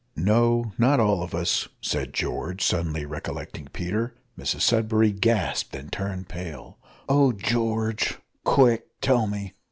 "No, not all of us," said George, suddenly recollecting Peter. Mrs Sudberry gasped and turned pale. "Oh! George! quick, tell me!"